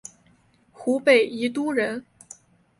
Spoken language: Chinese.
湖北宜都人。